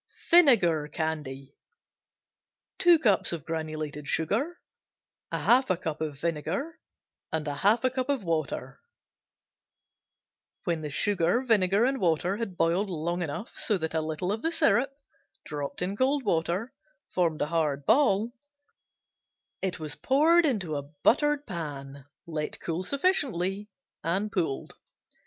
Vinegar Candy Sugar (granulated), 2 cups Vinegar, 1/2 cup Water, 1/2 cup When the sugar, vinegar and water had boiled long enough so that a little of the syrup, dropped in cold water, formed a hard ball, it was poured into a buttered pan, let cool sufficiently and pulled.